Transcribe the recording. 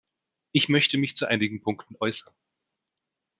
Ich möchte mich zu einigen Punkten äußern.